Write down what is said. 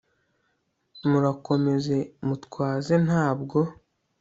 murakomeze mutwaze ntabwo